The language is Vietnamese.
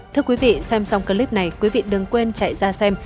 thưa quý vị xem xong clip này quý vị đừng quên chạy ra xem